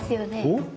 おっ？